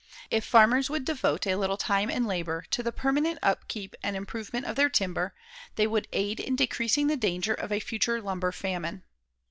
If farmers would devote a little time and labor to the permanent upkeep and improvement of their timber, they would aid in decreasing the danger of a future lumber famine.